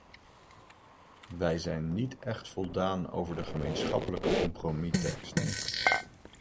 Wij zijn niet echt voldaan over de gemeenschappelijke compromis-tekst.